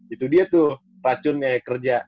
itu dia tuh racunnya kerja